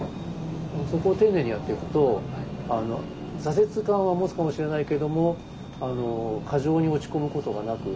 そこを丁寧にやっていくと挫折感は持つかもしれないけども過剰に落ち込むことがなく